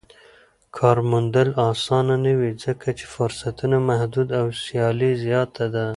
کار موندل اسانه نه وي ځکه چې فرصتونه محدود او سیالي زياته ده.